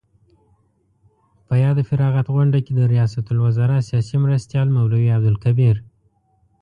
په یاده فراغت غونډه کې د ریاست الوزراء سیاسي مرستیال مولوي عبدالکبیر